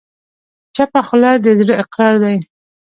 چپه خوله، د زړه قرار دی.